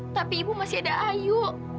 tapi ibu masih ada ayu